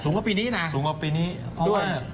สูงกว่าปีนี้เนี่ยครับถูกด้วย